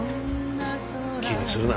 気にするな。